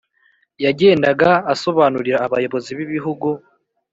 yagendaga asobanurira abayobozi b'ibihugu